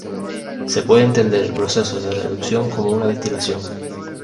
Se puede entender el proceso de reducción como una destilación.